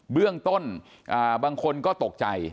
เบื้องต้นบางคนก็ตกใจ